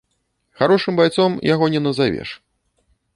Харошым байцом яго не назавеш.